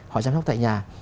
họ chăm sóc tại nhà